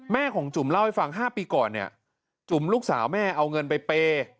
ของจุ๋มเล่าให้ฟัง๕ปีก่อนเนี่ยจุ่มลูกสาวแม่เอาเงินไปเปย์